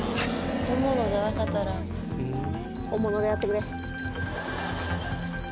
本物じゃなかったら本物であってくれ！